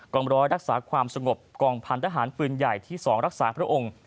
องร้อยรักษาความสงบกองพันธหารปืนใหญ่ที่๒รักษาพระองค์